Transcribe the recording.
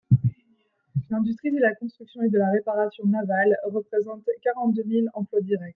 L’industrie de la construction et de la réparation navales représente quarante-deux mille emplois directs.